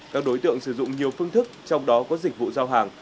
các đối tượng sử dụng nhiều phương thức trong đó có dịch vụ giao hàng